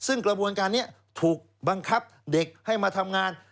ซึ่งกระบวนการนี้ถูกบังคับเด็กให้มาทำงาน